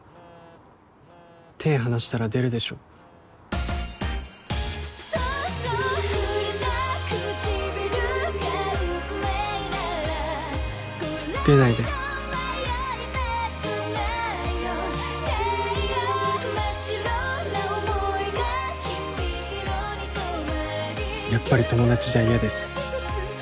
手離したら出るでしょ出ないでやっぱり友達じゃ嫌です